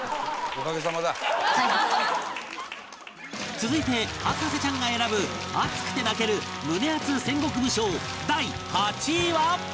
続いて博士ちゃんが選ぶ熱くて泣ける胸アツ戦国武将第８位は